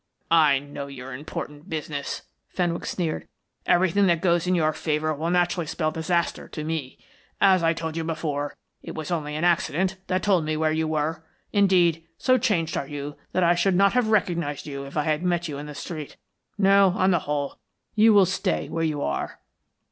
"I know your important business," Fenwick sneered. "Everything that goes in your favor will naturally spell disaster to me. As I told you before, it was only an accident that told me where you were; indeed, so changed are you that I should not have recognised you if I had met you in the street. No, on the whole, you will stay where you are."